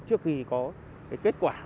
trước khi có cái kết quả